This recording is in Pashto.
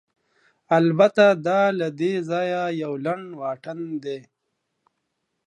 البته، دا له دې ځایه یو لنډ واټن دی.